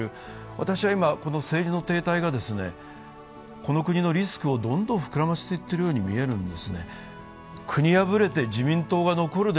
私は今この政治の停滞がこの国のリスクをどんどん膨らませていっているように思うんです。